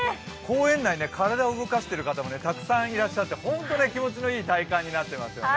公園内、体を動かしている方もたくさんいらっしゃってホント気持ちのいい体感になっていますよね。